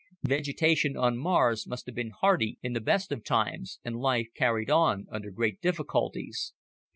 Vegetation on Mars must have been hardy in the best of times, and life carried on under great difficulties.